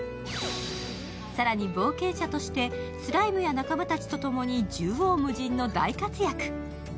更に冒険者としてスライムや仲間たちとともに縦横無尽の大活躍。